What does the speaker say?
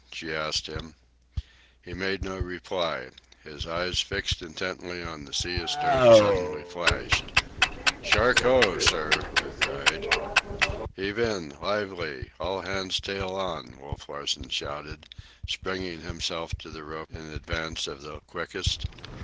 she asked him. He made no reply. His eyes, fixed intently on the sea astern, suddenly flashed. "Shark ho, sir!" he cried. "Heave in! Lively! All hands tail on!" Wolf Larsen shouted, springing himself to the rope in advance of the quickest.